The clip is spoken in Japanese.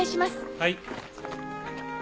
はい。